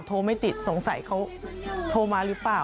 ไม่ติดสงสัยเขาโทรมาหรือเปล่า